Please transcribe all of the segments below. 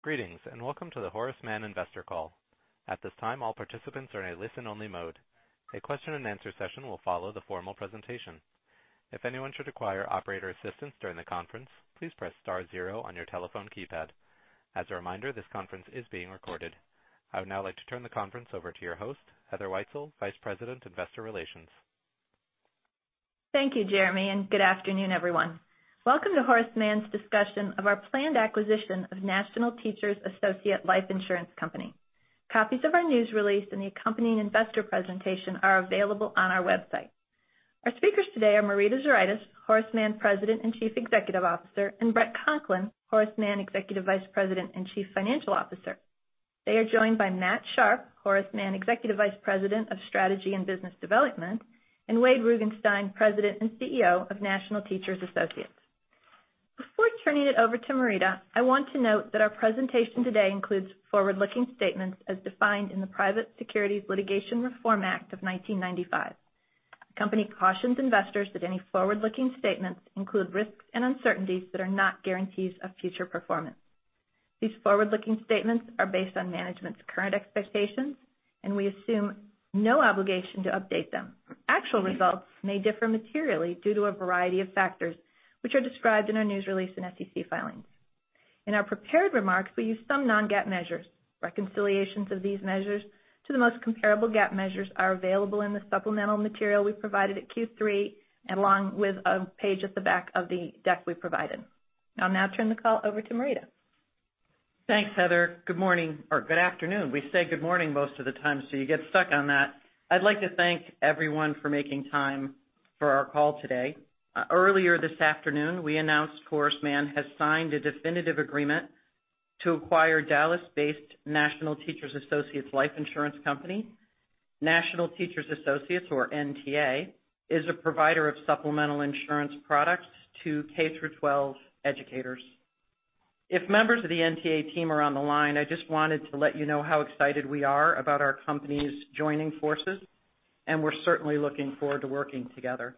Greetings, and welcome to the Horace Mann investor call. At this time, all participants are in a listen-only mode. A question and answer session will follow the formal presentation. If anyone should require operator assistance during the conference, please press star zero on your telephone keypad. As a reminder, this conference is being recorded. I would now like to turn the conference over to your host, Heather J. Wietzel, Vice President, Investor Relations. Thank you, Jeremy. Good afternoon, everyone. Welcome to Horace Mann's discussion of our planned acquisition of National Teachers Associates Life Insurance Company. Copies of our news release and the accompanying investor presentation are available on our website. Our speakers today are Marita Zuraitis, Horace Mann President and Chief Executive Officer, and Bret A. Conklin, Horace Mann Executive Vice President and Chief Financial Officer. They are joined by Matthew T. Sharp, Horace Mann Executive Vice President of Strategy and Business Development, and Wade Rugenstein, President and CEO of National Teachers Associates. Before turning it over to Marita, I want to note that our presentation today includes forward-looking statements as defined in the Private Securities Litigation Reform Act of 1995. The company cautions investors that any forward-looking statements include risks and uncertainties that are not guarantees of future performance. These forward-looking statements are based on management's current expectations, and we assume no obligation to update them. Actual results may differ materially due to a variety of factors, which are described in our news release and SEC filings. In our prepared remarks, we use some non-GAAP measures. Reconciliations of these measures to the most comparable GAAP measures are available in the supplemental material we provided at Q3 and along with a page at the back of the deck we provided. I'll now turn the call over to Marita. Thanks, Heather. Good morning or good afternoon. We say good morning most of the time, so you get stuck on that. I'd like to thank everyone for making time for our call today. Earlier this afternoon, we announced Horace Mann has signed a definitive agreement to acquire Dallas-based National Teachers Associates Life Insurance Company. National Teachers Associates, or NTA, is a provider of supplemental insurance products to K through 12 educators. If members of the NTA team are on the line, I just wanted to let you know how excited we are about our companies joining forces, and we're certainly looking forward to working together.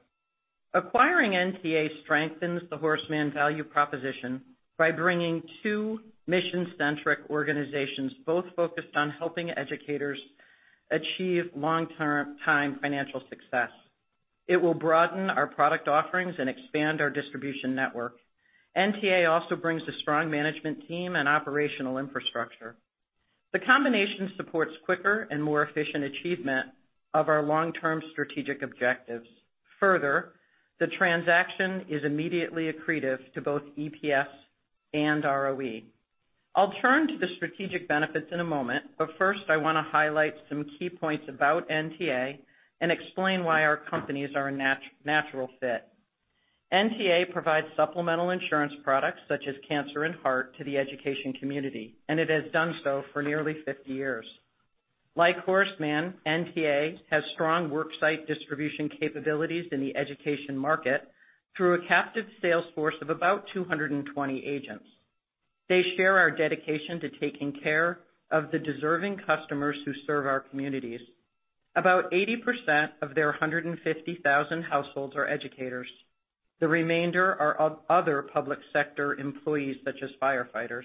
Acquiring NTA strengthens the Horace Mann value proposition by bringing two mission-centric organizations, both focused on helping educators achieve long-term financial success. It will broaden our product offerings and expand our distribution network. NTA also brings a strong management team and operational infrastructure. The combination supports quicker and more efficient achievement of our long-term strategic objectives. The transaction is immediately accretive to both EPS and ROE. I'll turn to the strategic benefits in a moment, but first I want to highlight some key points about NTA and explain why our companies are a natural fit. NTA provides supplemental insurance products such as cancer and heart to the education community, and it has done so for nearly 50 years. Like Horace Mann, NTA has strong worksite distribution capabilities in the education market through a captive sales force of about 220 agents. They share our dedication to taking care of the deserving customers who serve our communities. About 80% of their 150,000 households are educators. The remainder are other public sector employees, such as firefighters.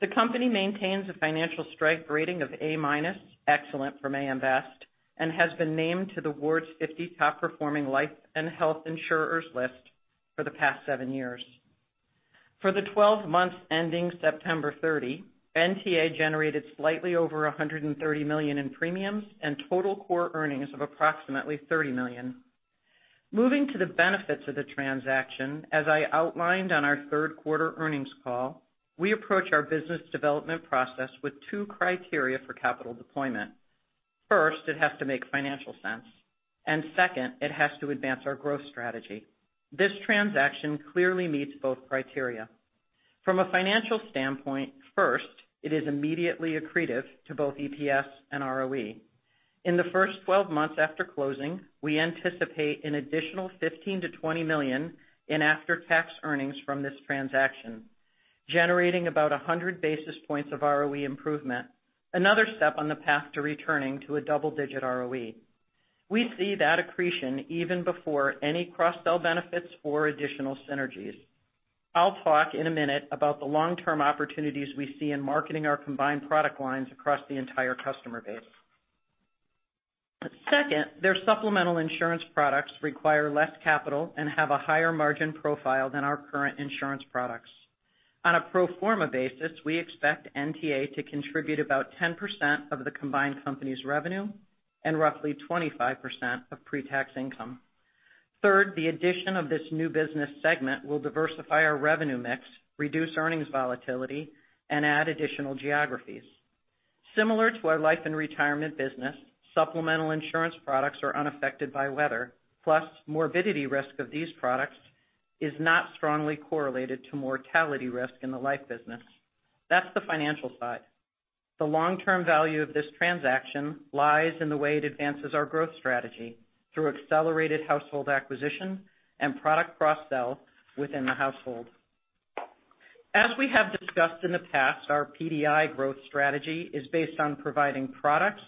The company maintains a financial strength rating of A-minus, excellent from AM Best, and has been named to the Ward's 50 top-performing life and health insurers list for the past seven years. For the 12 months ending September 30, NTA generated slightly over $130 million in premiums and total core earnings of approximately $30 million. Moving to the benefits of the transaction, as I outlined on our third-quarter earnings call, we approach our business development process with two criteria for capital deployment. First, it has to make financial sense, and second, it has to advance our growth strategy. This transaction clearly meets both criteria. From a financial standpoint, first, it is immediately accretive to both EPS and ROE. In the first 12 months after closing, we anticipate an additional $15 million-$20 million in after-tax earnings from this transaction, generating about 100 basis points of ROE improvement, another step on the path to returning to a double-digit ROE. We see that accretion even before any cross-sell benefits or additional synergies. I'll talk in a minute about the long-term opportunities we see in marketing our combined product lines across the entire customer base. Second, their supplemental insurance products require less capital and have a higher margin profile than our current insurance products. On a pro forma basis, we expect NTA to contribute about 10% of the combined company's revenue and roughly 25% of pre-tax income. Third, the addition of this new business segment will diversify our revenue mix, reduce earnings volatility, and add additional geographies. Similar to our life and retirement business, supplemental insurance products are unaffected by weather. Morbidity risk of these products is not strongly correlated to mortality risk in the life business. That's the financial side. The long-term value of this transaction lies in the way it advances our growth strategy through accelerated household acquisition and product cross-sell within the household. As we have discussed in the past, our PDI growth strategy is based on providing products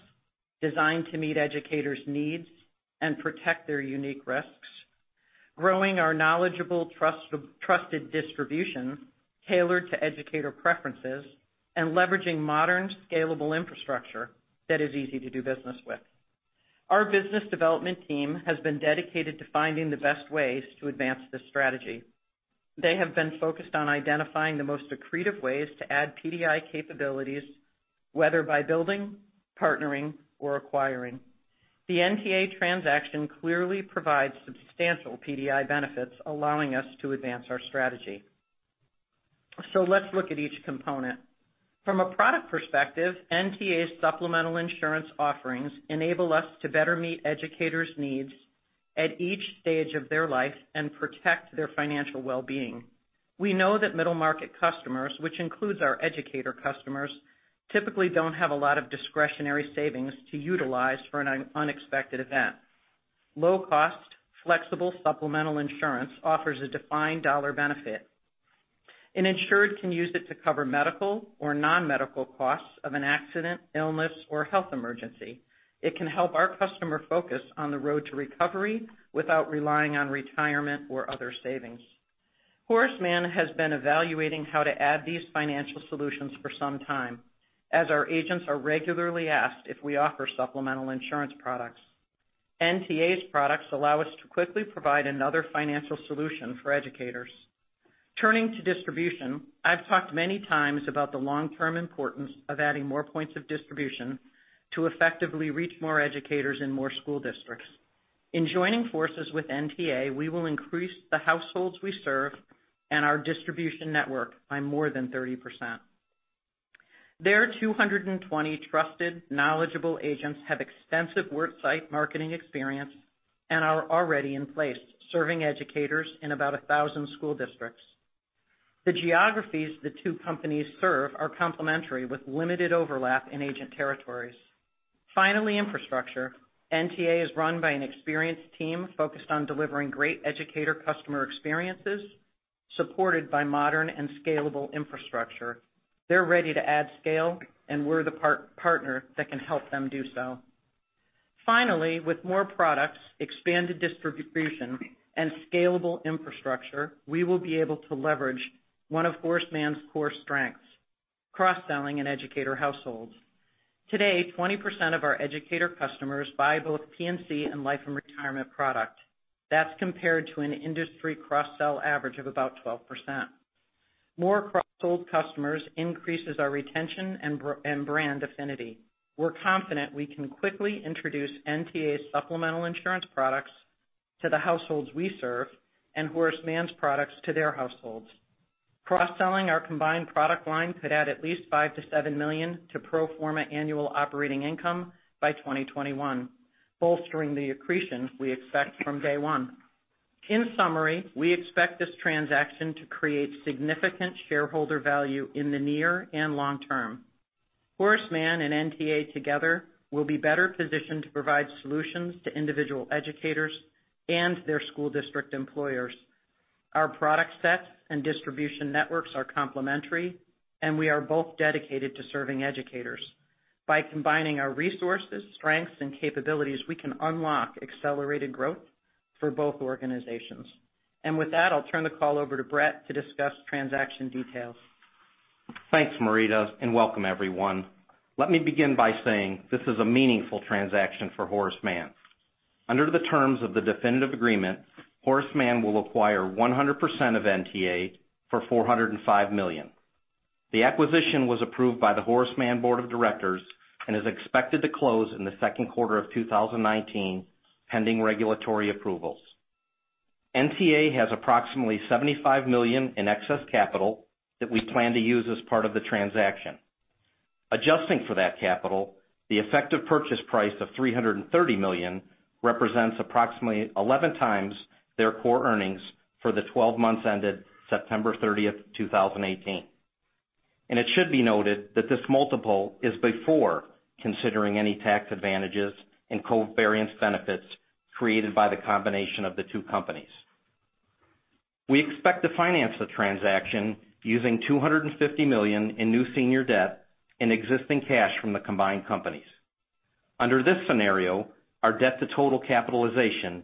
designed to meet educators' needs and protect their unique risks, growing our knowledgeable, trusted distribution tailored to educator preferences, and leveraging modern, scalable infrastructure that is easy to do business with. Our business development team has been dedicated to finding the best ways to advance this strategy. They have been focused on identifying the most accretive ways to add PDI capabilities, whether by building, partnering, or acquiring. The NTA transaction clearly provides substantial PDI benefits, allowing us to advance our strategy. Let's look at each component. From a product perspective, NTA's supplemental insurance offerings enable us to better meet educators' needs at each stage of their life and protect their financial well-being. We know that middle-market customers, which includes our educator customers, typically don't have a lot of discretionary savings to utilize for an unexpected event. Low cost, flexible supplemental insurance offers a defined dollar benefit. An insured can use it to cover medical or non-medical costs of an accident, illness, or health emergency. It can help our customer focus on the road to recovery without relying on retirement or other savings. Horace Mann has been evaluating how to add these financial solutions for some time, as our agents are regularly asked if we offer supplemental insurance products. NTA's products allow us to quickly provide another financial solution for educators. Turning to distribution, I've talked many times about the long-term importance of adding more points of distribution to effectively reach more educators in more school districts. In joining forces with NTA, we will increase the households we serve and our distribution network by more than 30%. Their 220 trusted, knowledgeable agents have extensive work site marketing experience and are already in place, serving educators in about 1,000 school districts. The geographies the two companies serve are complementary with limited overlap in agent territories. Finally, infrastructure. NTA is run by an experienced team focused on delivering great educator customer experiences, supported by modern and scalable infrastructure. They're ready to add scale, and we're the partner that can help them do so. Finally, with more products, expanded distribution and scalable infrastructure, we will be able to leverage one of Horace Mann's core strengths, cross-selling in educator households. Today, 20% of our educator customers buy both P&C and life and retirement product. That's compared to an industry cross-sell average of about 12%. More cross-sold customers increases our retention and brand affinity. We're confident we can quickly introduce NTA supplemental insurance products to the households we serve and Horace Mann's products to their households. Cross-selling our combined product line could add at least $5 million-$7 million to pro forma annual operating income by 2021, bolstering the accretion we expect from day one. In summary, we expect this transaction to create significant shareholder value in the near and long term. Horace Mann and NTA together will be better positioned to provide solutions to individual educators and their school district employers. Our product sets and distribution networks are complementary, and we are both dedicated to serving educators. By combining our resources, strengths, and capabilities, we can unlock accelerated growth for both organizations. With that, I'll turn the call over to Bret to discuss transaction details. Thanks, Marita, and welcome everyone. Let me begin by saying this is a meaningful transaction for Horace Mann. Under the terms of the definitive agreement, Horace Mann will acquire 100% of NTA for $405 million. The acquisition was approved by the Horace Mann board of directors and is expected to close in the second quarter of 2019, pending regulatory approvals. NTA has approximately $75 million in excess capital that we plan to use as part of the transaction. Adjusting for that capital, the effective purchase price of $330 million represents approximately 11 times their core earnings for the 12 months ended September 30th, 2018. It should be noted that this multiple is before considering any tax advantages and covariance benefits created by the combination of the two companies. We expect to finance the transaction using $250 million in new senior debt and existing cash from the combined companies. Under this scenario, our debt to total capitalization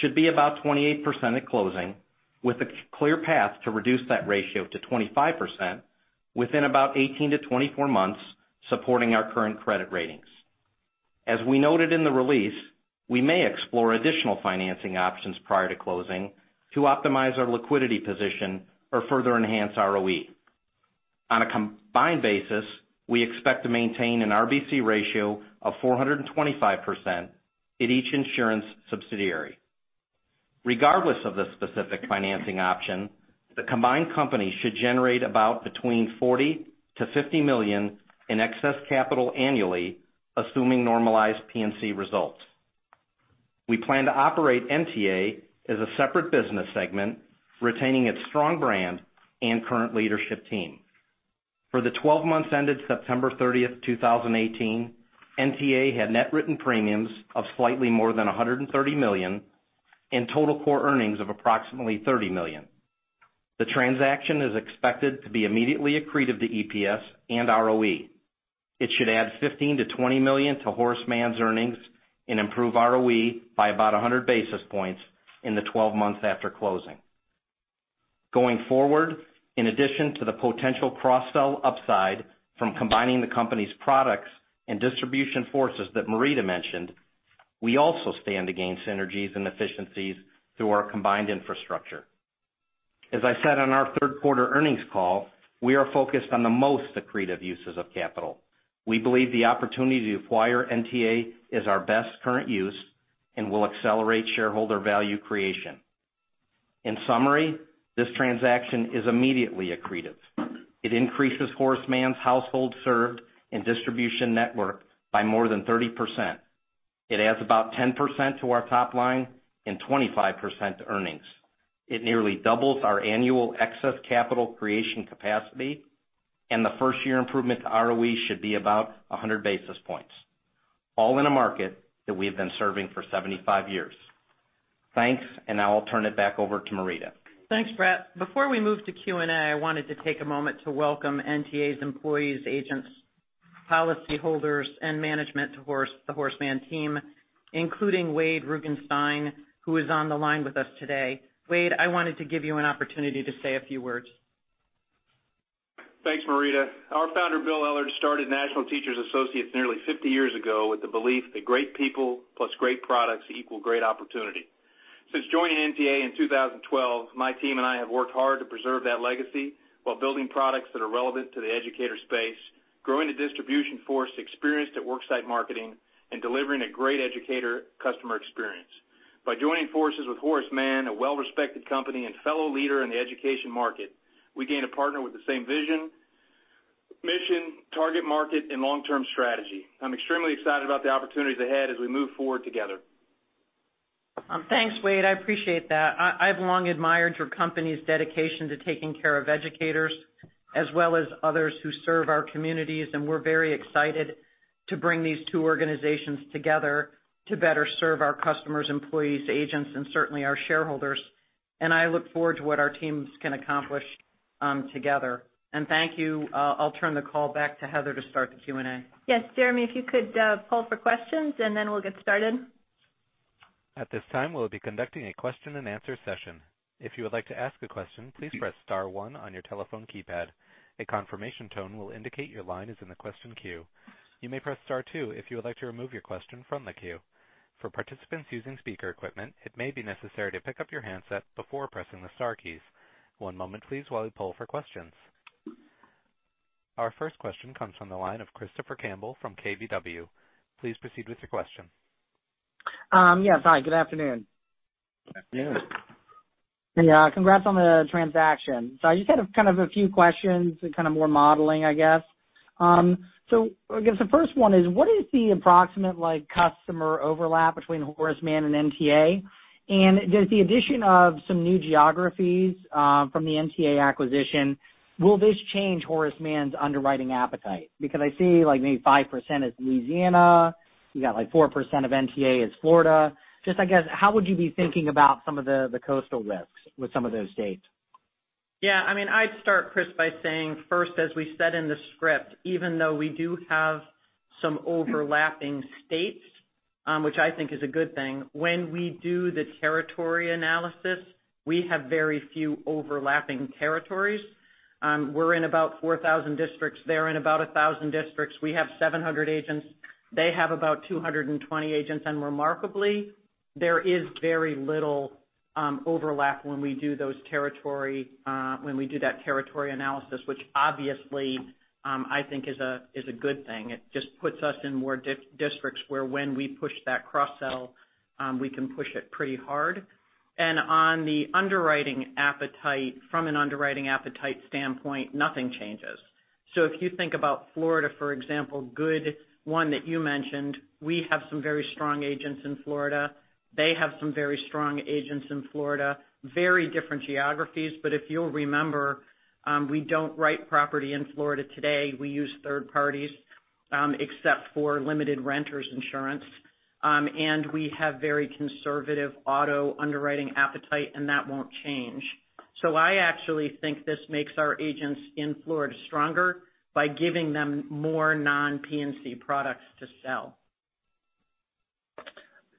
should be about 28% at closing with a clear path to reduce that ratio to 25% within about 18 to 24 months, supporting our current credit ratings. As we noted in the release, we may explore additional financing options prior to closing to optimize our liquidity position or further enhance ROE. On a combined basis, we expect to maintain an RBC ratio of 425% at each insurance subsidiary. Regardless of the specific financing option, the combined company should generate between $40 million-$50 million in excess capital annually, assuming normalized P&C results. We plan to operate NTA as a separate business segment, retaining its strong brand and current leadership team. For the 12 months ended September 30th, 2018, NTA had net written premiums of slightly more than $130 million and total core earnings of approximately $30 million. The transaction is expected to be immediately accretive to EPS and ROE. It should add $15 million-$20 million to Horace Mann's earnings and improve ROE by about 100 basis points in the 12 months after closing. Going forward, in addition to the potential cross-sell upside from combining the company's products and distribution forces that Marita mentioned, we also stand to gain synergies and efficiencies through our combined infrastructure. As I said on our third quarter earnings call, we are focused on the most accretive uses of capital. We believe the opportunity to acquire NTA is our best current use and will accelerate shareholder value creation. In summary, this transaction is immediately accretive. It increases Horace Mann's household served and distribution network by more than 30%. It adds about 10% to our top line and 25% to earnings. It nearly doubles our annual excess capital creation capacity. The first-year improvement to ROE should be about 100 basis points, all in a market that we have been serving for 75 years. Thanks, now I'll turn it back over to Marita. Thanks, Bret. Before we move to Q&A, I wanted to take a moment to welcome NTA's employees, agents, policyholders, and management to the Horace Mann team, including Wade Rugenstein, who is on the line with us today. Wade, I wanted to give you an opportunity to say a few words. Thanks, Marita. Our founder, Bill Ellard, started National Teachers Associates nearly 50 years ago with the belief that great people plus great products equal great opportunity. Since joining NTA in 2012, my team and I have worked hard to preserve that legacy while building products that are relevant to the educator space, growing a distribution force experienced at worksite marketing and delivering a great educator customer experience. By joining forces with Horace Mann, a well-respected company and fellow leader in the education market, we gain a partner with the same vision, mission, target market, and long-term strategy. I'm extremely excited about the opportunities ahead as we move forward together. Thanks, Wade. I appreciate that. I've long admired your company's dedication to taking care of educators as well as others who serve our communities, we're very excited to bring these two organizations together to better serve our customers, employees, agents, and certainly our shareholders. I look forward to what our teams can accomplish together. Thank you. I'll turn the call back to Heather to start the Q&A. Yes, Jeremy, if you could poll for questions, then we'll get started. At this time, we'll be conducting a question and answer session. If you would like to ask a question, please press *1 on your telephone keypad. A confirmation tone will indicate your line is in the question queue. You may press *2 if you would like to remove your question from the queue. For participants using speaker equipment, it may be necessary to pick up your handset before pressing the star keys. One moment, please, while we poll for questions. Our first question comes from the line of Christopher Campbell from KBW. Please proceed with your question. Yes. Hi, good afternoon. Good afternoon. Congrats on the transaction. I just had a few questions and kind of more modeling, I guess. I guess the first one is, what is the approximate customer overlap between Horace Mann and NTA? Does the addition of some new geographies from the NTA acquisition, will this change Horace Mann's underwriting appetite? Because I see maybe 5% is Louisiana. You got like 4% of NTA is Florida. Just I guess, how would you be thinking about some of the coastal risks with some of those states? I'd start, Chris, by saying first, as we said in the script, even though we do have some overlapping states, which I think is a good thing, when we do the territory analysis, we have very few overlapping territories. We're in about 4,000 districts. They're in about 1,000 districts. We have 700 agents. They have about 220 agents. Remarkably, there is very little overlap when we do that territory analysis, which obviously, I think is a good thing. It just puts us in more districts where when we push that cross-sell, we can push it pretty hard. On the underwriting appetite, from an underwriting appetite standpoint, nothing changes. If you think about Florida, for example, good one that you mentioned, we have some very strong agents in Florida. They have some very strong agents in Florida. Very different geographies. If you'll remember, we don't write property in Florida today. We use third parties, except for limited renters insurance, and we have very conservative auto underwriting appetite, and that won't change. I actually think this makes our agents in Florida stronger by giving them more non-P&C products to sell.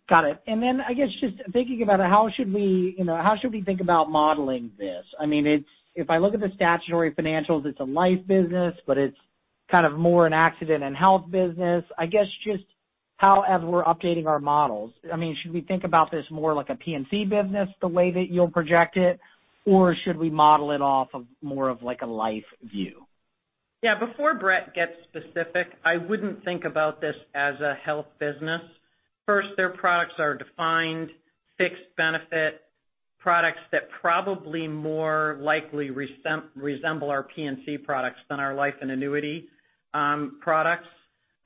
Got it. I guess just thinking about it, how should we think about modeling this? If I look at the statutory financials, it's a life business, but it's kind of more an Accident & Health business. I guess just how as we're updating our models, should we think about this more like a P&C business the way that you'll project it, or should we model it off of more of like a life view? Before Bret gets specific, I wouldn't think about this as a health business. First, their products are defined fixed benefit products that probably more likely resemble our P&C products than our life and annuity products.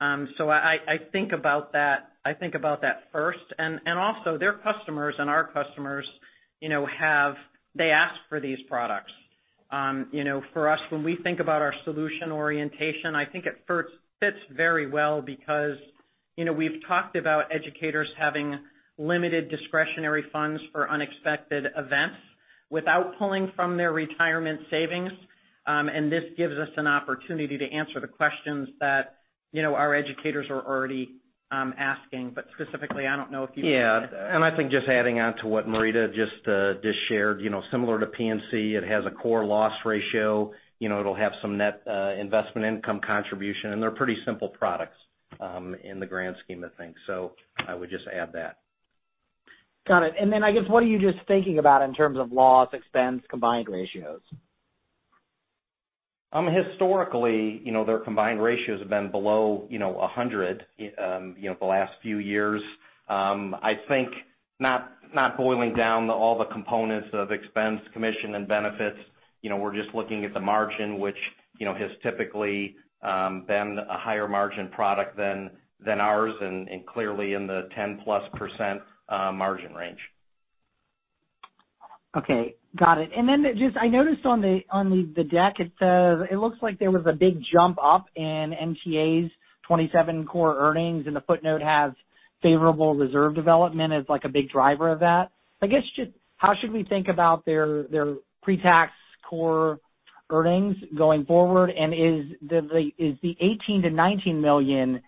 I think about that first, and also their customers and our customers, they ask for these products. For us, when we think about our solution orientation, I think it fits very well because We've talked about educators having limited discretionary funds for unexpected events without pulling from their retirement savings. This gives us an opportunity to answer the questions that our educators are already asking, but specifically. Yeah. I think just adding on to what Marita just shared, similar to P&C, it has a core loss ratio. It'll have some net investment income contribution, and they're pretty simple products in the grand scheme of things. I would just add that. Got it. I guess, what are you just thinking about in terms of loss expense combined ratios? Historically, their combined ratios have been below 100 the last few years. I think not boiling down all the components of expense, commission, and benefits, we're just looking at the margin, which has typically been a higher margin product than ours, and clearly in the 10-plus % margin range. Okay, got it. I noticed on the deck, it looks like there was a big jump up in NTA's 2017 core earnings, and the footnote has favorable reserve development as a big driver of that. I guess, how should we think about their pre-tax core earnings going forward? Is the $18 million-$19 million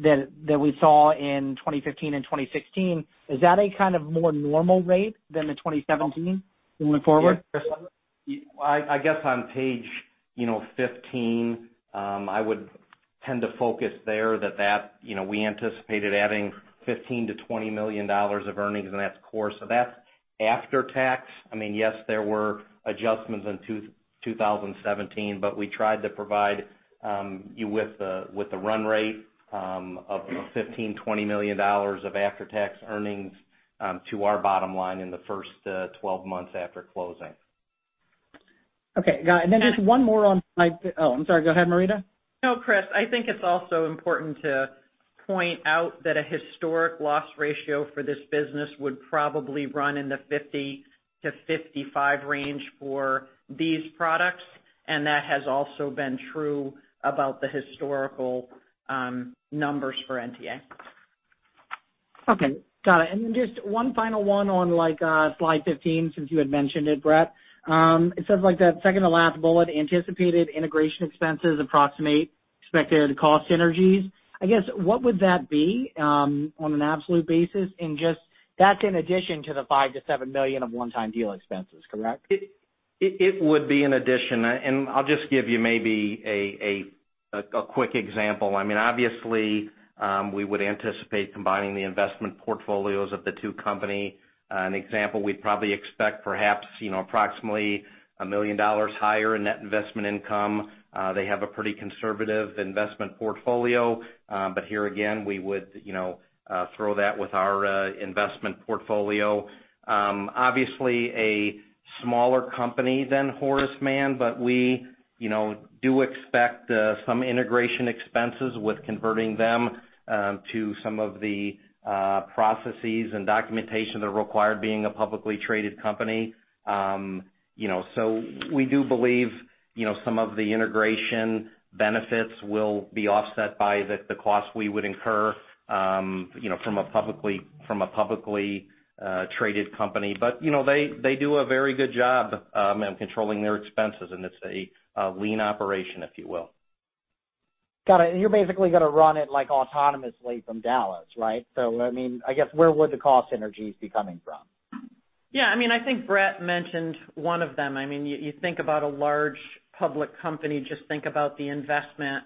that we saw in 2015 and 2016, is that a kind of more normal rate than the 2017 going forward? I guess on page 15, I would tend to focus there that we anticipated adding $15 million-$20 million of earnings in that core. That's after tax. Yes, there were adjustments in 2017, we tried to provide you with the run rate of $15 million-$20 million of after-tax earnings to our bottom line in the first 12 months after closing. Okay, got it. Oh, I'm sorry. Go ahead, Marita. No, Chris, I think it's also important to point out that a historic loss ratio for this business would probably run in the 50-55 range for these products, that has also been true about the historical numbers for NTA. Okay, got it. Just one final one on slide 15, since you had mentioned it, Bret. It says that second to last bullet anticipated integration expenses approximate expected cost synergies. I guess, what would that be on an absolute basis? Just, that's in addition to the $5 million-$7 million of one-time deal expenses, correct? It would be in addition. I'll just give you maybe a quick example. Obviously, we would anticipate combining the investment portfolios of the two company. An example, we'd probably expect perhaps approximately $1 million higher in net investment income. They have a pretty conservative investment portfolio. Here again, we would throw that with our investment portfolio. Obviously, a smaller company than Horace Mann, we do expect some integration expenses with converting them to some of the processes and documentation that are required being a publicly traded company. We do believe some of the integration benefits will be offset by the cost we would incur from a publicly traded company. They do a very good job in controlling their expenses, and it's a lean operation, if you will. Got it. You're basically going to run it like autonomously from Dallas, right? I guess where would the cost synergies be coming from? Yeah, I think Bret mentioned one of them. You think about a large public company, just think about the investment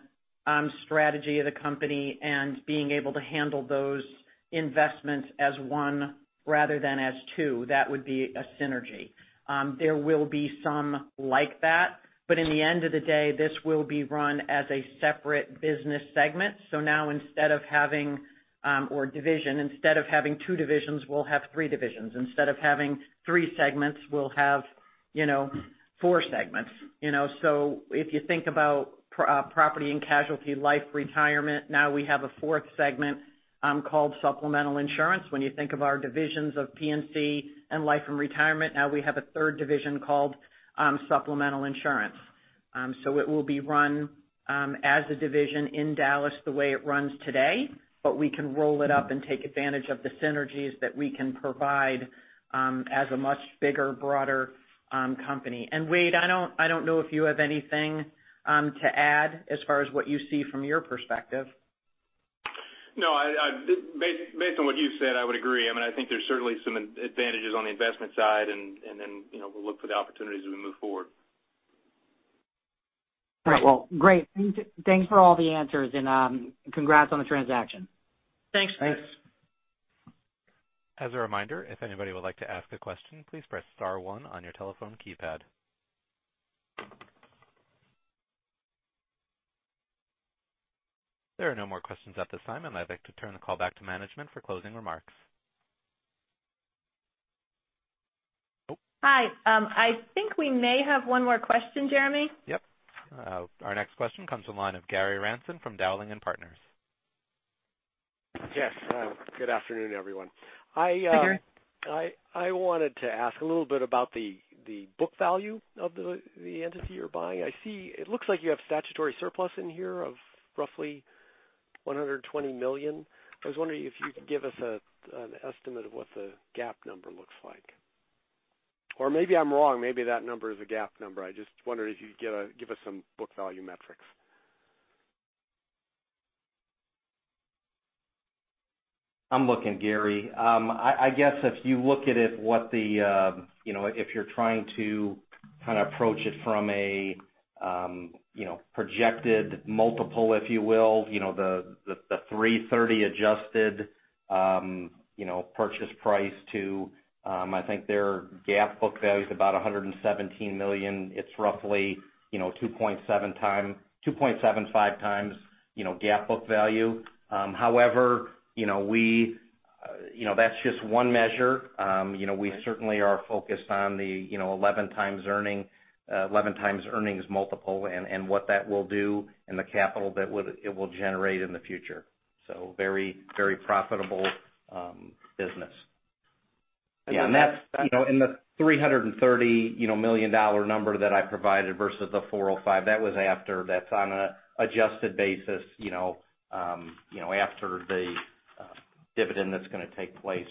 strategy of the company and being able to handle those investments as one rather than as two. That would be a synergy. There will be some like that. In the end of the day, this will be run as a separate business segment. Now instead of having, or division, instead of having 2 divisions, we'll have 3 divisions. Instead of having 3 segments, we'll have 4 segments. If you think about Property and Casualty, life, retirement, now we have a 4th segment called supplemental insurance. When you think of our divisions of P&C and life and retirement, now we have a 3rd division called supplemental insurance. It will be run as a division in Dallas the way it runs today. We can roll it up and take advantage of the synergies that we can provide as a much bigger, broader company. Wade, I don't know if you have anything to add as far as what you see from your perspective. No, based on what you said, I would agree. I think there's certainly some advantages on the investment side, then we'll look for the opportunities as we move forward. All right. Well, great. Thanks for all the answers and congrats on the transaction. Thanks, Chris. Thanks. As a reminder, if anybody would like to ask a question, please press star one on your telephone keypad. There are no more questions at this time, and I'd like to turn the call back to management for closing remarks. Hi. I think we may have one more question, Jeremy. Yep. Our next question comes from the line of Gary Ransom from Dowling & Partners. Yes. Good afternoon, everyone. Hi, Gary. I wanted to ask a little bit about the book value of the entity you're buying. It looks like you have statutory surplus in here of roughly $120 million. I was wondering if you could give us an estimate of what the GAAP number looks like. Maybe I'm wrong, maybe that number is a GAAP number. I just wondered if you'd give us some book value metrics. I'm looking, Gary. I guess if you look at it, if you're trying to approach it from a projected multiple, if you will, the $330 adjusted purchase price to, I think, their GAAP book value is about $117 million. It's roughly 2.75 times GAAP book value. That's just one measure. We certainly are focused on the 11 times earnings multiple, and what that will do and the capital that it will generate in the future. Very profitable business. Yeah. The $330 million number that I provided versus the $405, that was after. That's on an adjusted basis after the dividend that's going to take place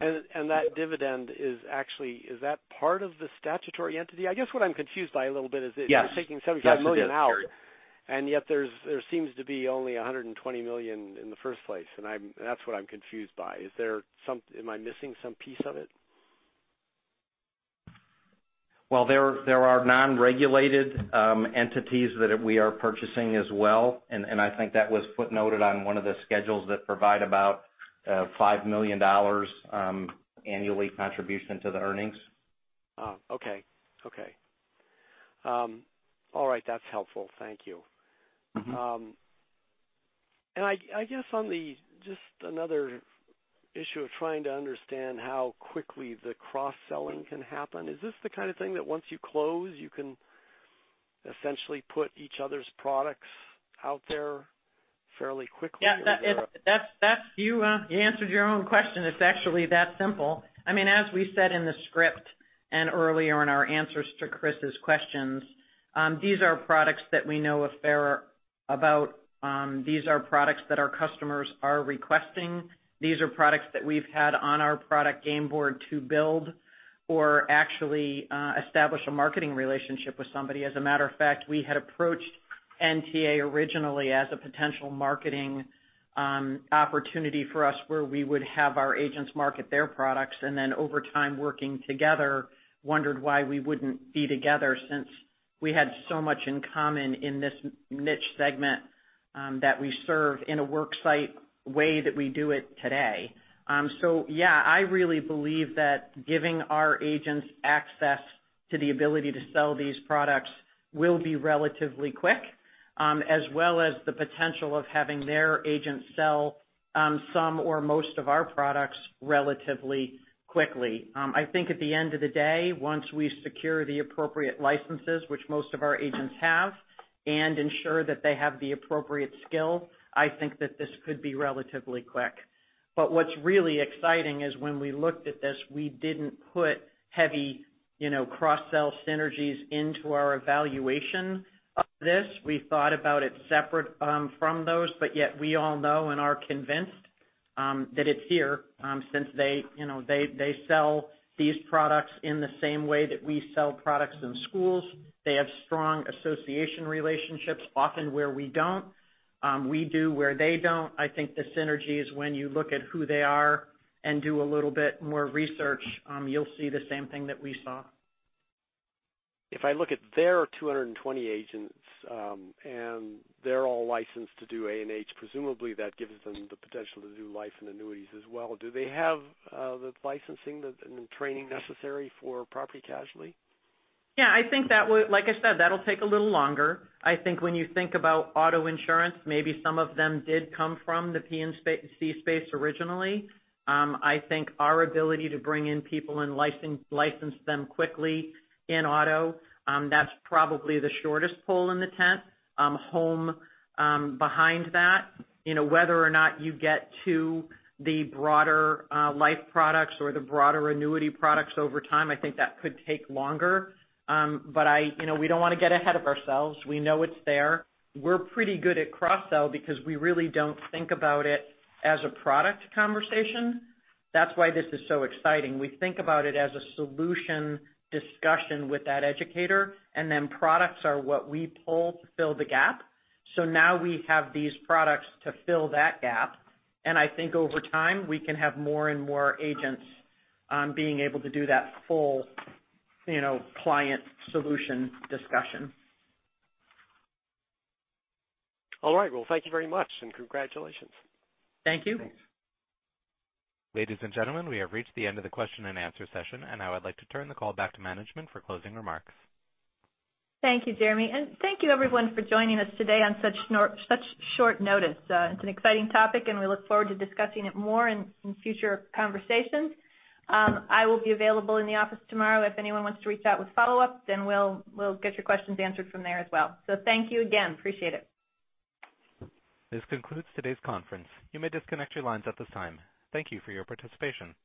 post-purchase. That dividend, is that part of the statutory entity? I guess what I'm confused by a little bit. Yes. You're taking $75 million out, yet there seems to be only $120 million in the first place, that's what I'm confused by. Am I missing some piece of it? Well, there are non-regulated entities that we are purchasing as well, I think that was footnoted on one of the schedules that provide about $5 million annually contribution to the earnings. Oh, okay. All right. That's helpful. Thank you. I guess on just another issue of trying to understand how quickly the cross-selling can happen, is this the kind of thing that once you close, you can essentially put each other's products out there fairly quickly? You answered your own question. It's actually that simple. As we said in the script and earlier in our answers to Chris's questions, these are products that we know a fair about. These are products that our customers are requesting. These are products that we've had on our product game board to build or actually establish a marketing relationship with somebody. As a matter of fact, we had approached NTA originally as a potential marketing opportunity for us, where we would have our agents market their products, and then over time working together, wondered why we wouldn't be together since we had so much in common in this niche segment that we serve in a work site way that we do it today. Yeah, I really believe that giving our agents access to the ability to sell these products will be relatively quick, as well as the potential of having their agents sell some or most of our products relatively quickly. I think at the end of the day, once we secure the appropriate licenses, which most of our agents have, and ensure that they have the appropriate skill, I think that this could be relatively quick. What's really exciting is when we looked at this, we didn't put heavy cross-sell synergies into our evaluation of this. We thought about it separate from those, but yet we all know and are convinced that it's here since they sell these products in the same way that we sell products in schools. They have strong association relationships often where we don't. We do where they don't. I think the synergy is when you look at who they are and do a little bit more research, you'll see the same thing that we saw. If I look at their 220 agents, they're all licensed to do A&H, presumably that gives them the potential to do life and annuities as well. Do they have the licensing and the training necessary for property casualty? Yeah, like I said, that'll take a little longer. I think when you think about auto insurance, maybe some of them did come from the P&C space originally. I think our ability to bring in people and license them quickly in auto, that's probably the shortest pole in the tent. Home behind that. Whether or not you get to the broader life products or the broader annuity products over time, I think that could take longer. We don't want to get ahead of ourselves. We know it's there. We're pretty good at cross-sell because we really don't think about it as a product conversation. That's why this is so exciting. We think about it as a solution discussion with that educator. Products are what we pull to fill the gap. Now we have these products to fill that gap. I think over time, we can have more and more agents being able to do that full client solution discussion. All right. Well, thank you very much. Congratulations. Thank you. Ladies and gentlemen, we have reached the end of the question and answer session. I would like to turn the call back to management for closing remarks. Thank you, Jeremy. Thank you everyone for joining us today on such short notice. It's an exciting topic, and we look forward to discussing it more in future conversations. I will be available in the office tomorrow if anyone wants to reach out with follow-ups. We'll get your questions answered from there as well. Thank you again. Appreciate it. This concludes today's conference. You may disconnect your lines at this time. Thank you for your participation.